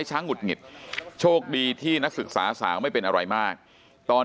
หงุดหงิดโชคดีที่นักศึกษาสาวไม่เป็นอะไรมากตอน